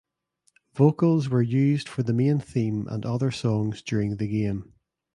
Vocals were used for the main theme and other songs during the game.